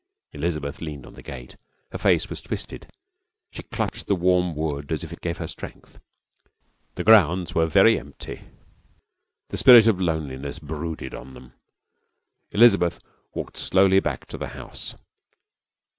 Elizabeth leaned on the gate. Her face was twisted, and she clutched the warm wood as if it gave her strength. The grounds were very empty. The spirit of loneliness brooded on them. Elizabeth walked slowly back to the house.